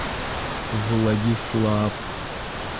Владислав